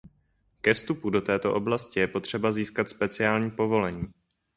Ke vstupu do této oblasti je potřeba získat speciální povolení.